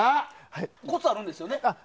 コツがあるんですよね？